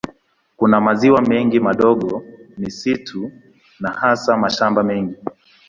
Kuna maziwa mengi madogo, misitu na hasa mashamba mengi.